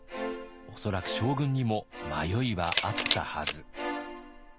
恐らく将軍にも迷いはあったはず。